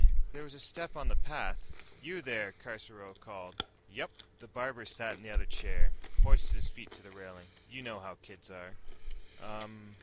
There was a step on the path. "You there?" Caruso called. "Yep." The barber sat in the other chair, hoisted his feet to the railing. "You know how kids are." "Um."